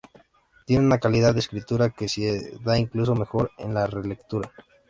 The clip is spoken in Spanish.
Tiene una calidad de escritura que se da incluso mejor en la relectura".